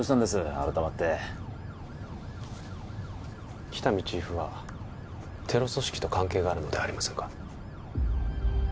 改まって喜多見チーフはテロ組織と関係があるのではありませんか？